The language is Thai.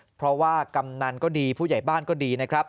เพราะว่ากำนันก็ดีผู้ใหญ่บ้านก็ดีนะครับ